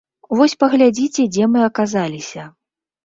Вось, паглядзіце, дзе мы аказаліся.